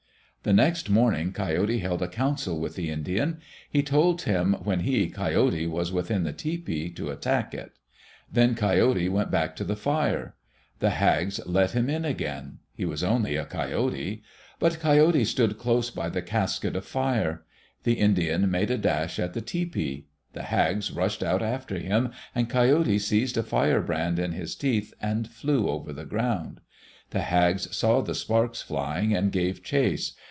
The next morning Coyote held a council with the Indian. He told him when he, Coyote, was within the tepee, to attack it. Then Coyote went back to the fire. The hags let him in again. He was only a Coyote. But Coyote stood close by the casket of fire. The Indian made a dash at the tepee. The hags rushed out after him, and Coyote seized a fire brand in his teeth and flew over the ground. The hags saw the sparks flying and gave chase.